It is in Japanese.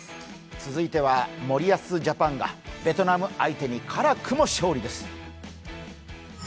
続いては森保ジャパンがベトナム相手に辛くも勝利です。